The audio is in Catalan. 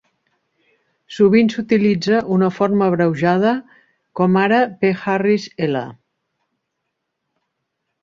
Sovint s'utilitza una forma abreujada, com ara "pHarris I".